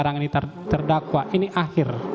saudara sekarang ini terdakwa ini akhir